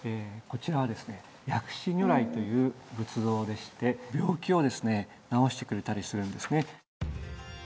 こちらはですね薬師如来という仏像でして病気をですね治してくれたりするんですね。